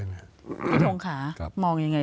พี่ทงค่ะมองอย่างไร